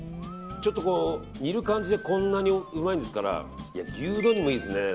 ちょっと煮る感じでこんなにうまいんですから牛丼にもいいですね。